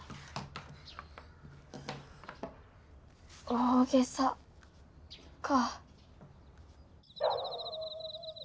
「大げさ」か。